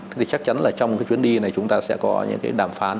thì chắc chắn là trong chuyến đi này chúng ta sẽ có những đàm phán